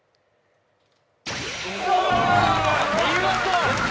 見事！